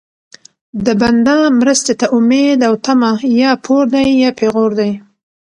د بنده مرستې ته امید او طمع یا پور دی یا پېغور دی